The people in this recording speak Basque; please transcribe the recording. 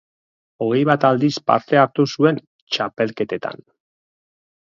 Hogei bat aldiz parte hartu zuen txapelketetan.